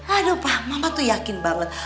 aduh pak mama tuh yakin banget